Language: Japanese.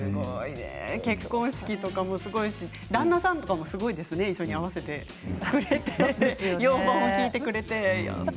結婚式とかもすごいですし旦那さんもすごいですね、一緒に合わせて要望も聞いてくれて。